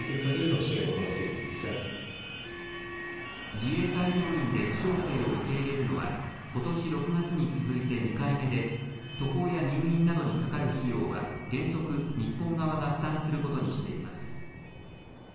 自衛隊病院で負傷兵を受け入れるのはことし６月に続いて２回目で渡航や入院などにかかる費用は原則、日本側が負担することにしています。